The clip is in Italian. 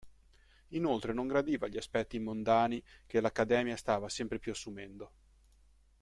Inoltre non gradiva gli aspetti mondani che l'accademia stava sempre più assumendo.